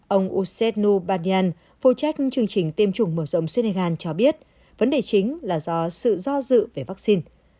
ông ursedu bardian phụ trách chương trình tiêm chủng mở rộng senegal cho biết vấn đề chính là do sự do dự về vaccine